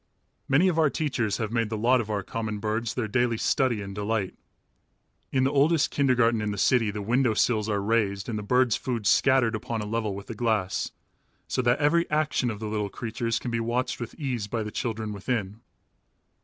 Many of our teachers have made the lot of our common birds their daily study and delight. In the oldest kindergarten in the city the window sills are raised and the birds' food scattered upon a level with the glass, so that every action of the little creatures can be watched with ease by the children within.